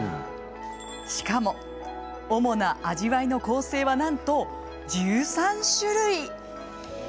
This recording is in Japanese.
しかも主な味わいの構成はなんと１３種類。